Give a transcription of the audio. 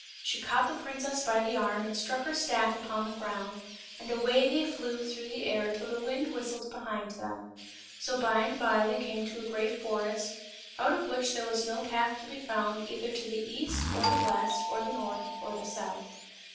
She caught the princess by the arm and struck her staff upon the ground, and away they flew through the air till the wind whistled behind them. So by and by they came to a great forest, out of which there was no path to be found either to the east or the west or the north or the south.